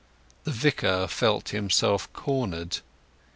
The Vicar felt himself cornered.